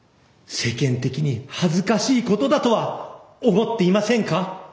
世間的に恥ずかしいことだとは思っていませんか？